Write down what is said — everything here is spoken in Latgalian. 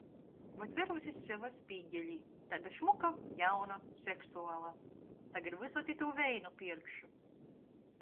Vot verūs iz seva spīgelī: taida šmuka, jauna, seksuala. Tagad vysod itū veinu pierkšu!